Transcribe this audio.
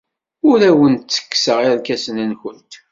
Ur awent-ttekkseɣ irkasen-nwent.